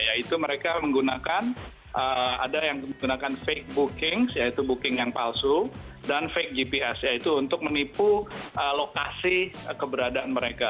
yaitu mereka menggunakan ada yang menggunakan fake booking yaitu booking yang palsu dan fake gps yaitu untuk menipu lokasi keberadaan mereka